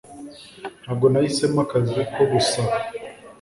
Ntabwo nahisemo akazi ko gusaba.